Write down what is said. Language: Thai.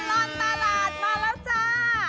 ตลอดตลาดมาแล้วจ้า